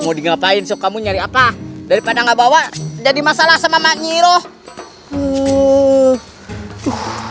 mau di ngapain suka mu nyari apa daripada nggak bawa jadi masalah sama nyiruh uh